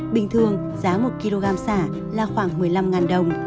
bình thường giá một kg xả là khoảng một mươi năm đồng